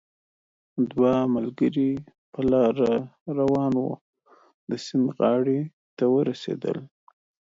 دوه ملګري په لاره روان وو، د سیند غاړې ته ورسېدل